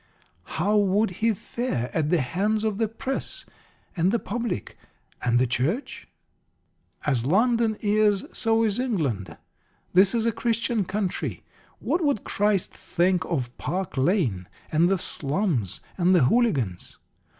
How would he fare at the hands of the Press, and the Public and the Church? As London is, so is England. This is a Christian country. What would Christ think of Park Lane, and the slums, and the hooligans?